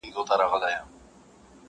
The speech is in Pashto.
یار ګیله من له دې بازاره وځم.